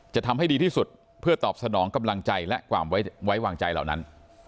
จะทำให้ดีที่สุดเพื่อตอบสนองกำลังใจและความไว้วางใจเหล่านั้น